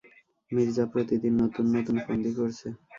মির্জা প্রতিদিন নতুন, নতুন ফন্দি করছে।